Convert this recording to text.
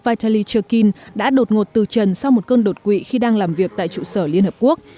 vitali chekin đã đột ngột từ trần sau một cơn đột quỵ khi đang làm việc tại trụ sở liên hợp quốc